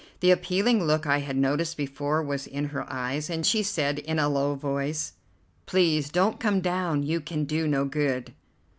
The appealing look I had noticed before was in her eyes, and she said in a low voice: "Please don't come down. You can do no good."